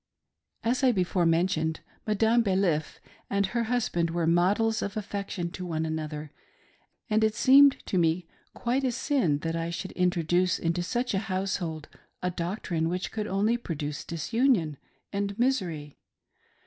As I before mentioned, Madame Baliff and her husband were models of affection to one another, and it seemed to me quite a sin that I should introduce into such a household a doctrine which could only produce disunion and misery.